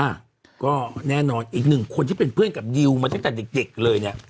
อ่ะก็แน่นอนอีกหนึ่งคนที่เป็นเพื่อนกับดิวมาตั้งแต่เด็กเลยเนี่ย